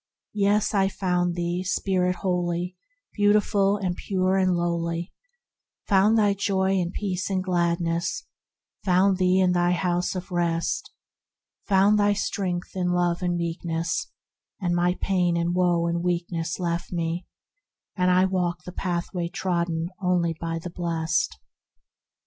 Yea, I found thee, Spirit holy, Beautiful and pure and lowly; Found thy Joy and Peace and Gladness; found thee in thy House of Rest; Found thy strength in Love and Meekness, And my pain and woe and weakness Left me, and I walked the Pathway trodden only by the blest.